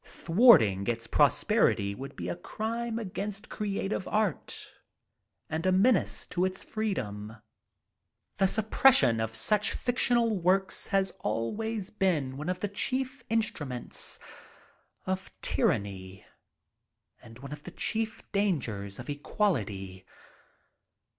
Thwarting its prosperity would be a crime against creative art and a menace to its freedom. The suppression of such fictional works has always been one of the chief instruments of tyranny and one of the chief dangers of equality.